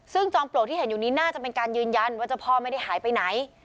ซึ่งจอมปลวกที่เห็นอยู่นี้น่าจะเป็นการยืนยันว่าเจ้าพ่อไม่ได้หายไปไหน